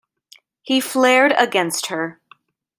He flared against her.